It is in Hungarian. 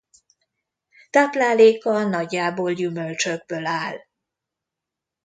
Tápláléka nagyjából gyümölcsökből áll.